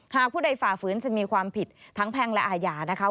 ผู้ใดฝ่าฝืนจะมีความผิดทั้งแพ่งและอาญานะคะ